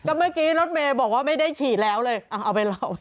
เมื่อกี้รถเมย์บอกว่าไม่ได้ฉีดแล้วเลยเอาไปเรา